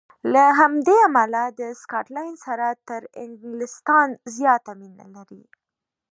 له همدې امله د سکاټلنډ سره تر انګلیستان زیاته مینه لري.